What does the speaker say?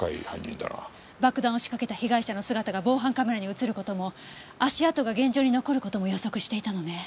爆弾を仕掛けた被害者の姿が防犯カメラに映る事も足跡が現場に残る事も予測していたのね。